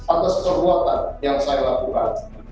atas perbuatan yang saya lakukan